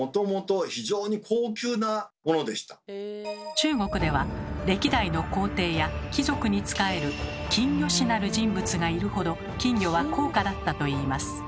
中国では歴代の皇帝や貴族に仕える「金魚師」なる人物がいるほど金魚は高価だったといいます。